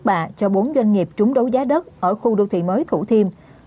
các doanh nghiệp đã bắt bạ cho bốn doanh nghiệp trúng đấu giá đất ở khu đô thị mới thủ thêm